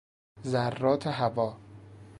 ذرات هوا